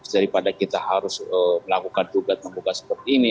daripada kita harus melakukan tugas membuka seperti ini